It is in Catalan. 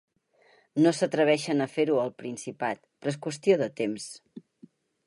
No s’atreveixen a fer-ho al Principat. Però és qüestió de temps.